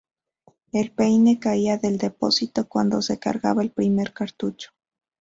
El peine caía del depósito cuando se cargaba el primer cartucho.